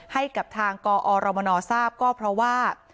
ให้กับทางกอรมนทราบก็เพราะว่า